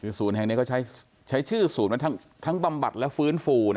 คือศูนย์แห่งนี้ก็ใช้ชื่อศูนย์ทั้งบำบัดและฟื้นฟู